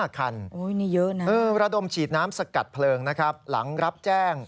๕คันเยอะนะระดมฉีดน้ำสกัดเพลิงนะครับหลังรับแจ้ง